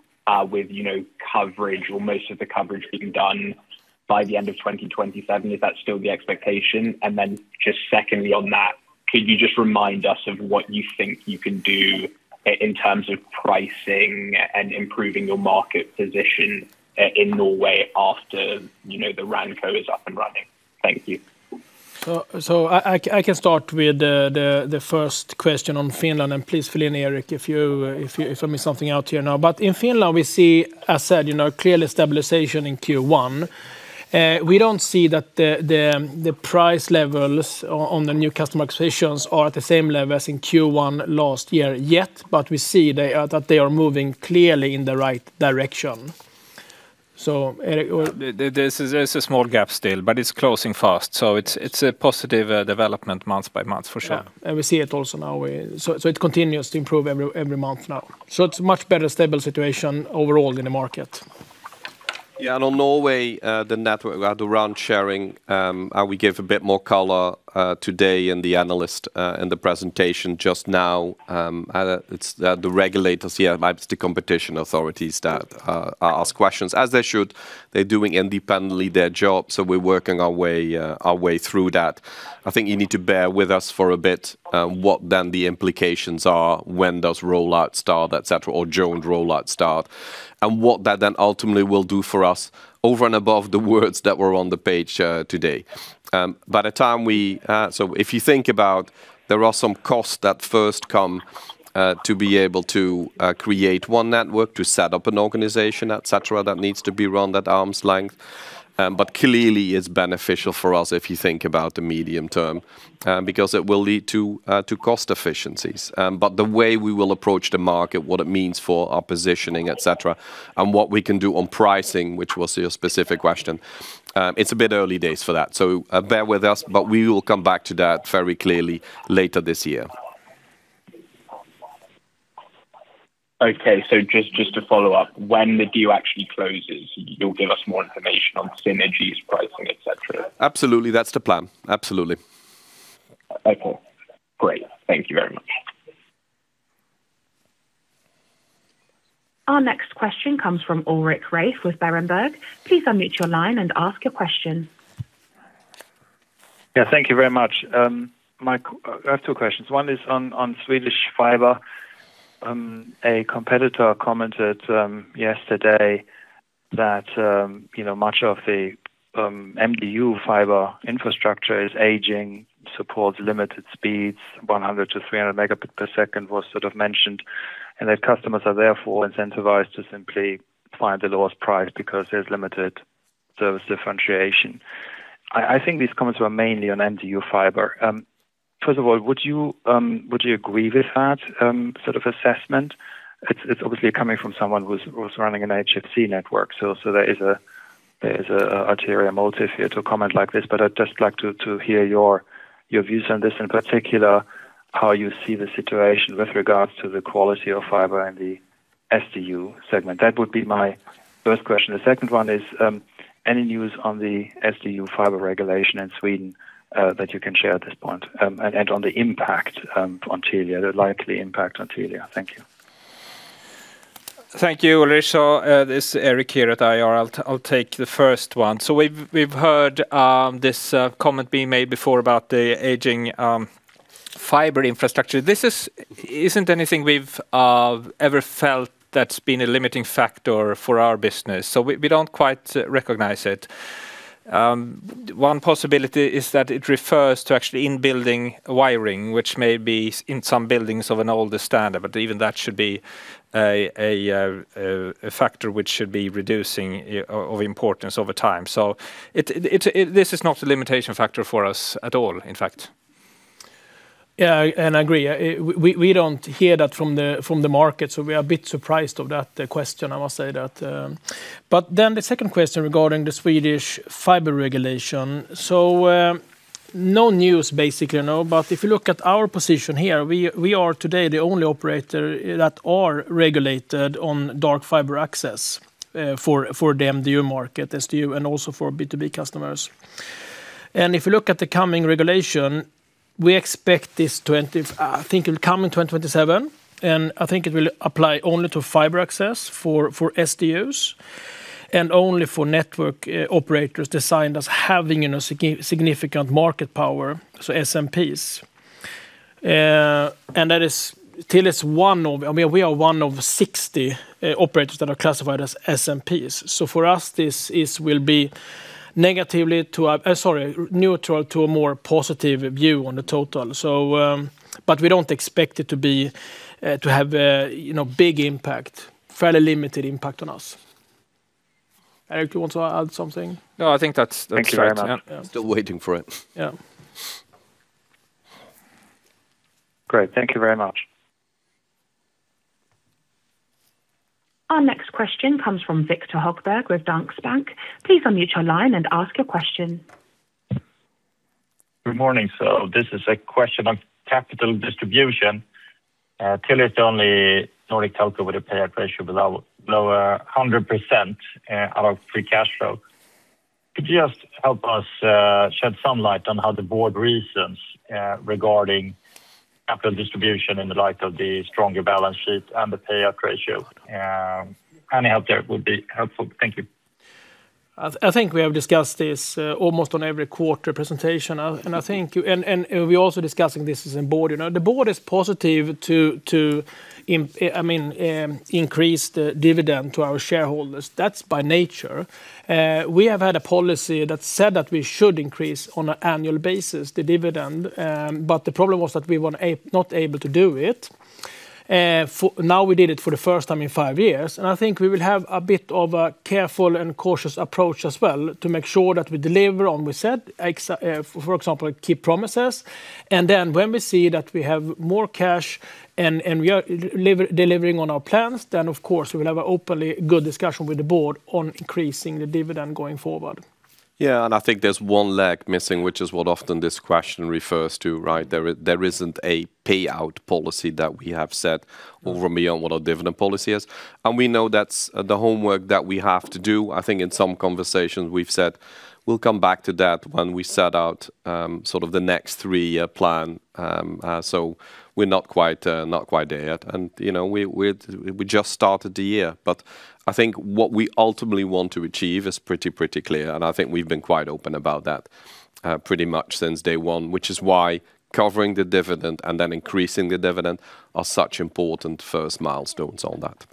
with coverage or most of the coverage being done by the end of 2027, is that still the expectation? Just secondly on that, could you just remind us of what you think you can do in terms of pricing and improving your market position in Norway after the RAN co is up and running? Thank you. I can start with the first question on Finland, and please fill in Eric if I miss something out here now in Finland, we see, as said, clearly stabilization in Q1. We don't see that the price levels on the new customer acquisitions are at the same level as in Q1 last year yet, but we see that they are moving clearly in the right direction. Eric? There's a small gap still, but it's closing fast. It's a positive development month by month for sure. Yeah. We see it also now. It continues to improve every month now. It's much better stable situation overall in the market. Yeah. On Norway, the network, the RAN sharing, we gave a bit more color today in the analyst presentation just now. The regulators here, the competition authorities, ask questions as they should. They're doing their job independently. We're working our way through that. I think you need to bear with us for a bit on what then the implications are when those rollouts start, et cetera, or joint rollouts start. What that then ultimately will do for us over and above the words that were on the page today. If you think about, there are some costs that first come to be able to create one network to set up an organization, et cetera, that needs to be run at arm's length. Clearly it's beneficial for us if you think about the medium term, because it will lead to cost efficiencies. The way we will approach the market, what it means for our positioning, et cetera, and what we can do on pricing, which was your specific question. It's a bit early days for that. Bear with us, but we will come back to that very clearly later this year. Okay. Just to follow up, when the deal actually closes, you'll give us more information on synergies, pricing, et cetera? Absolutely. That's the plan. Absolutely. Okay. Great. Thank you very much. Our next question comes from Ulrich Rathe with Berenberg. Please unmute your line and ask your question. Yeah, thank you very much. I have two questions. One is on Swedish fiber. A competitor commented yesterday that much of the MDU fiber infrastructure is aging, supports limited speeds, 100 Mbps-300 Mbps was sort of mentioned. That customers are therefore incentivized to simply find the lowest price because there's limited service differentiation. I think these comments were mainly on MDU fiber. First of all, would you agree with that sort of assessment? It's obviously coming from someone who's running an HFC network, so there is an ulterior motive here to comment like this. But I'd just like to hear your views on this, in particular, how you see the situation with regards to the quality of fiber in the SDU segment. That would be my first question. The second one is, any news on the SDU fiber regulation in Sweden that you can share at this point, and on the impact on Telia, the likely impact on Telia? Thank you. Thank you, Ulrich. This is Erik here at IR. I'll take the first one. We've heard this comment being made before about the aging fiber infrastructure. This isn't anything we've ever felt that's been a limiting factor for our business, so we don't quite recognize it. One possibility is that it refers to actually in-building wiring, which may be in some buildings of an older standard. Even that should be a factor which should be reducing of importance over time. This is not a limitation factor for us at all, in fact. Yeah, I agree. We don't hear that from the market, so we are a bit surprised of that question, I must say that. The second question regarding the Swedish fiber regulation. No news, basically, no. If you look at our position here, we are today the only operator that are regulated on dark fiber access for the MDU market, SDU and also for B2B customers. If you look at the coming regulation, we expect this, I think it'll come in 2027, and I think it will apply only to fiber access for SDUs and only for network operators designed as having significant market power, so SMPs. We are one of 60 operators that are classified as SMPs. For us, this will be neutral to a more positive view on the total. We don't expect it to have a big impact. Fairly limited impact on us. Eric, you want to add something? No, I think that's. Thanks very much. Yeah. Still waiting for it. Yeah. Great. Thank you very much. Our next question comes from Viktor Högberg with Danske Bank. Please unmute your line and ask your question. Good morning. This is a question on capital distribution. Telia is the only Nordic telco with a payout ratio below 100% of our free cash flow. Could you just help us shed some light on how the board reasons regarding capital distribution in the light of the stronger balance sheet and the payout ratio? Any help there would be helpful. Thank you. I think we have discussed this almost on every quarter presentation. We're also discussing this as a board. The board is positive to increase the dividend to our shareholders. That's by nature. We have had a policy that said that we should increase on an annual basis the dividend, but the problem was that we were not able to do it. Now we did it for the first time in five years, and I think we will have a bit of a careful and cautious approach as well to make sure that we deliver on what we said, for example, keep promises. Then when we see that we have more cash and we are delivering on our plans, then of course, we will have an openly good discussion with the board on increasing the dividend going forward. Yeah. I think there's one leg missing, which is what often this question refers to, right? There isn't a payout policy that we have set over and beyond what our dividend policy is. We know that's the homework that we have to do. I think in some conversations we've said we'll come back to that when we set out the next three-year plan. We're not quite there yet. We just started the year. I think what we ultimately want to achieve is pretty clear, and I think we've been quite open about that pretty much since day one, which is why covering the dividend and then increasing the dividend are such important first milestones on that.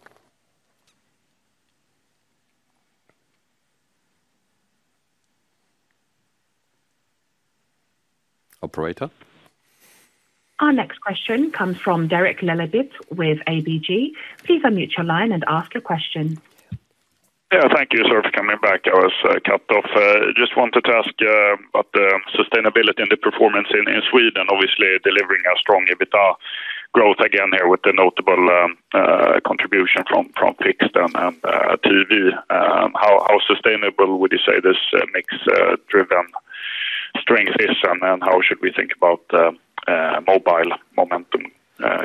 Our next question comes from Derek Laliberté with ABG. Please unmute your line and ask your question. Yeah, thank you, sir, for coming back. I was cut off. Just wanted to ask about the sustainability and the performance in Sweden, obviously delivering a strong EBITDA growth again here with the notable contribution from fixed and TV. How sustainable would you say this mix-driven strength is, and then how should we think about mobile momentum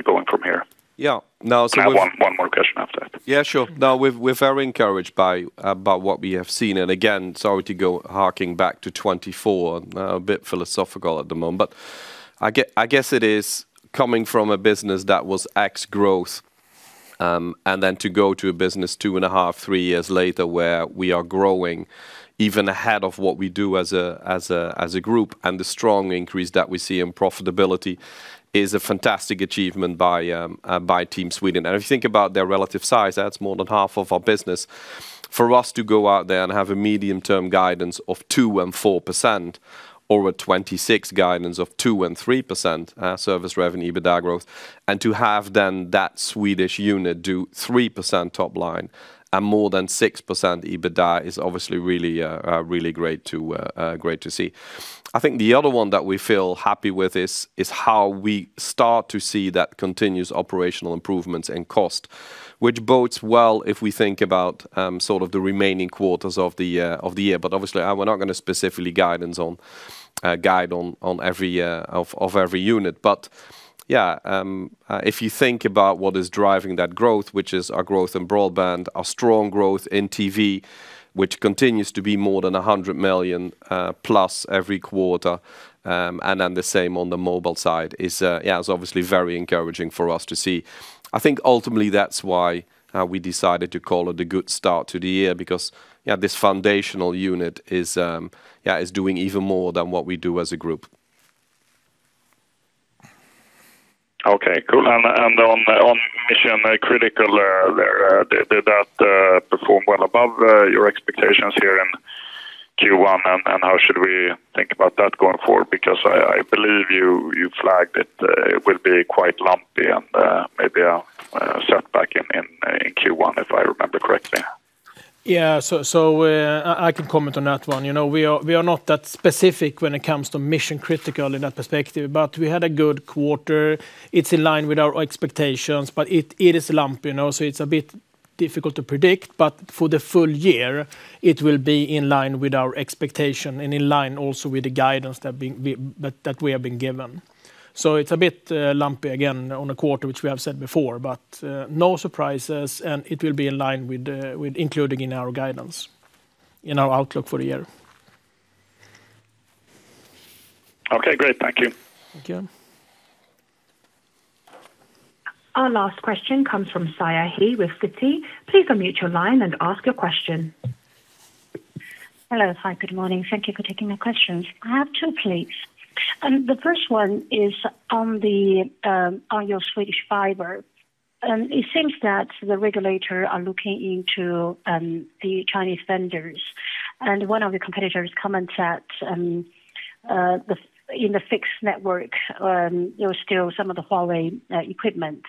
going from here? Yeah. No, we- I have one more question after that. Yeah, sure. No, we're very encouraged by what we have seen. Again, sorry to go harking back to 2024. A bit philosophical at the moment, but I guess it is coming from a business that was X growth, and then to go to a business two and a half, three years later, where we are growing even ahead of what we do as a group. The strong increase that we see in profitability is a fantastic achievement by Team Sweden. If you think about their relative size, that's more than half of our business. For us to go out there and have a medium-term guidance of 2% and 4%. Over 2026 guidance of 2% and 3% service revenue EBITDA growth. To have then that Swedish unit do 3% top line and more than 6% EBITDA is obviously really great to see. I think the other one that we feel happy with is how we start to see that continuous operational improvements in cost, which bodes well if we think about the remaining quarters of the year. Obviously, we're not going to specifically guide for every unit. Yeah, if you think about what is driving that growth, which is our growth in broadband, our strong growth in TV, which continues to be more than 100+ million every quarter, and then the same on the mobile side, yeah, it's obviously very encouraging for us to see. I think ultimately that's why we decided to call it a good start to the year because this foundational unit is doing even more than what we do as a group. Okay, cool. On Mission Critical there, did that perform well above your expectations here in Q1? How should we think about that going forward? Because I believe you flagged it will be quite lumpy and maybe a setback in Q1, if I remember correctly. Yeah. I can comment on that one. We are not that specific when it comes to Mission Critical in that perspective, but we had a good quarter. It's in line with our expectations, but it is lumpy, so it's a bit difficult to predict. For the full year, it will be in line with our expectation and in line also with the guidance that we have been given. It's a bit lumpy again on a quarter, which we have said before, but no surprises, and it will be in line with including in our guidance, in our outlook for the year. Okay, great. Thank you. Thank you. Our last question comes from Siyi He with Citi. Please unmute your line and ask your question. Hello. Hi, good morning. Thank you for taking my questions. I have two please. The first one is on your Swedish fiber. It seems that the regulator are looking into the Chinese vendors, and one of the competitors comments that in the fixed network, there was still some of the Huawei equipment.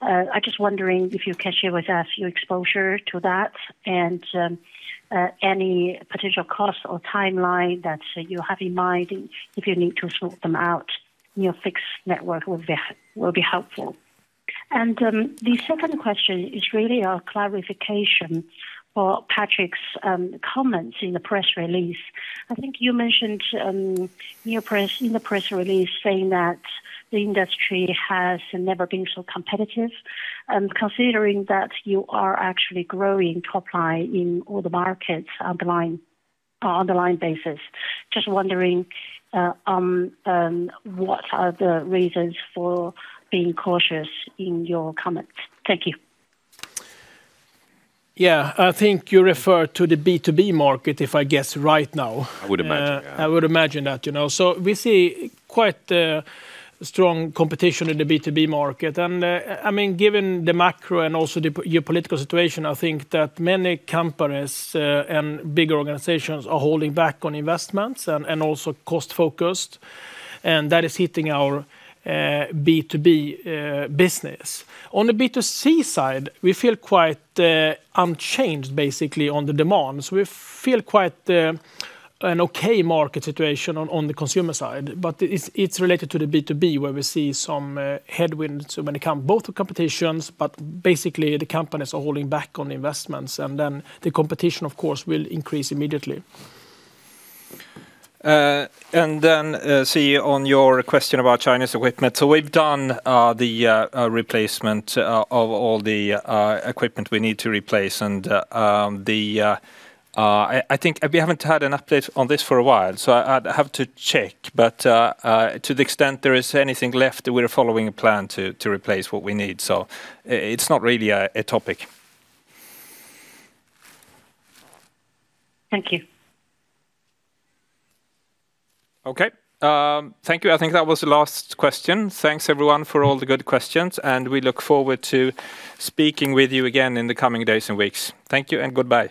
I just wondering if you can share with us your exposure to that and any potential cost or timeline that you have in mind if you need to sort them out in your fixed network will be helpful. The second question is really a clarification for Patrik's comments in the press release. I think you mentioned in the press release saying that the industry has never been so competitive. Considering that you are actually growing top line in all the markets underlying basis, just wondering what are the reasons for being cautious in your comments? Thank you. Yeah. I think you refer to the B2B market, if I guess right now. I would imagine, yeah. I would imagine that. We see quite a strong competition in the B2B market. Given the macro and also the geopolitical situation, I think that many companies and bigger organizations are holding back on investments and also cost focused, and that is hitting our B2B business. On the B2C side, we feel quite unchanged, basically, on the demands. We feel quite an okay market situation on the consumer side. It's related to the B2B where we see some headwinds when it come both to competitions, but basically the companies are holding back on investments, and then the competition, of course, will increase immediately. Siyi He, on your question about Chinese equipment. We've done the replacement of all the equipment we need to replace. I think we haven't had an update on this for a while, so I'd have to check. To the extent there is anything left, we are following a plan to replace what we need. It's not really a topic. Thank you. Okay. Thank you. I think that was the last question. Thanks everyone for all the good questions, and we look forward to speaking with you again in the coming days and weeks. Thank you and goodbye.